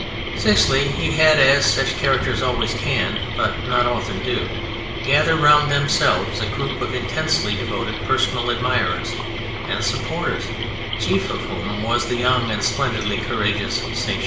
Sixthly, he had, as such characters always can, but not often do, gather round them selves, a group of intensely devoted personal admirers and supporters, chief of whom was the young and splendidly courageous Saint Just.